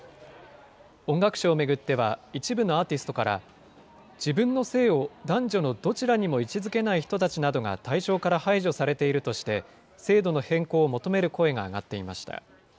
音楽賞を巡っては、一部のアーティストから、自分の性を男女のどちらにも位置づけない人たちなどが対象から排除されているとして、制度の変更を求める声が上がっていました。